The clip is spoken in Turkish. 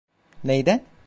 Neyden?